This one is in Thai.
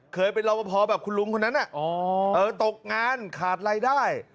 เคยเป็นรอปภแบบคุณลุงคนนั้นตกงานขาดรายได้